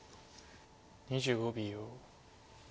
２５秒。